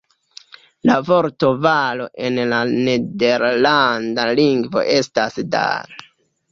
La vorto valo en la nederlanda lingvo estas "dal".